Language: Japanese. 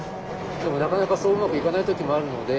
でもなかなかそううまくいかない時もあるので。